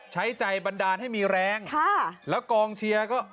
ใช้ใจบันดาลให้มีแรงค่ะแล้วกองเชียร์ก็